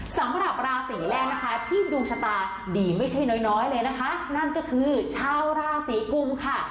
สำหรับราศีแรกนะคะที่ดวงชะตาดีไม่ใช่น้อยน้อยเลยนะคะนั่นก็คือชาวราศีกุมค่ะ